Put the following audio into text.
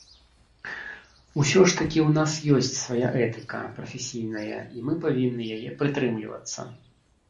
Усё ж такі ў нас ёсць свая этыка, прафесійная, і мы павінны яе прытрымлівацца.